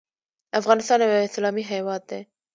افغانستان یو اسلامي هیواد دی